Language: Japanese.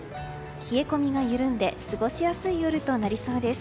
冷え込みが緩んで過ごしやすい夜となりそうです。